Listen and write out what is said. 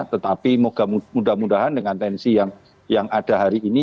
tetapi mudah mudahan dengan tensi yang ada hari ini